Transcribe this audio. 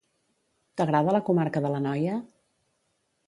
T'agrada la comarca de l'Anoia?